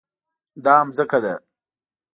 دا ځمکه ده